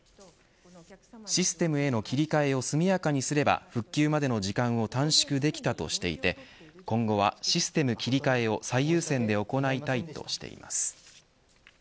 システムへの切り替えを速やかにすれば復旧までの時間を短縮できたとしていて、今後はシステム切り替えを最優先で行いたいとしています。